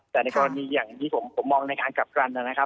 แต่ในกรณีอย่างที่ผมมองในการกลับกันนะครับ